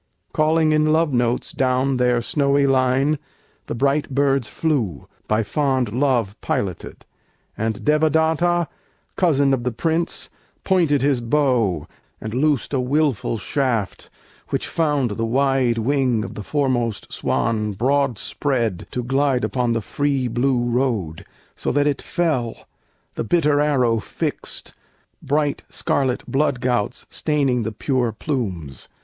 Calling in love notes down their snowy line The bright birds flew, by fond love piloted; And Devadatta, cousin of the Prince, Pointed his bow, and loosed a willful shaft Which found the wide wing of the foremost swan Broad spread to glide upon the free blue road, So that it fell, the bitter arrow fixed, Bright scarlet blood gouts staining the pure plumes.